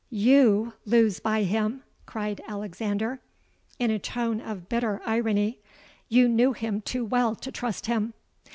—'You lose by him!' cried Alexander, in a tone of bitter irony: 'you knew him too well to trust him.'